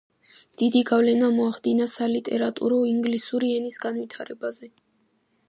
დიდი გავლენა მოახდინა სალიტერატურო ინგლისური ენის განვითარებაზე.